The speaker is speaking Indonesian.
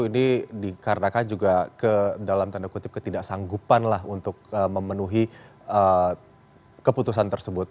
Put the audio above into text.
ini dikarenakan juga dalam tanda kutip ketidaksanggupan lah untuk memenuhi keputusan tersebut